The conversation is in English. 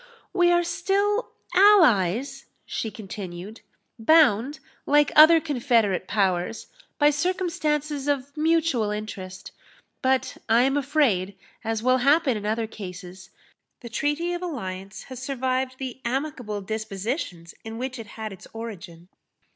"We are still allies," she continued, "bound, like other confederate powers, by circumstances of mutual interest; but I am afraid, as will happen in other cases, the treaty of alliance has survived the amicable dispositions in which it had its origin.